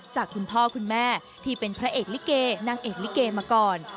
จากคุณพ่อคุณแม่ที่เป็นพระเอกลิเกนางเอกลิเกมาก่อน